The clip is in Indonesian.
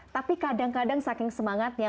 tapi kadang kadang saking semangatnya